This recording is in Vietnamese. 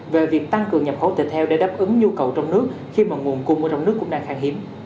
về việc tăng cường nhập khẩu thịt heo để đáp ứng nhu cầu trong nước khi mà nguồn cung ở trong nước cũng đang khang hiếm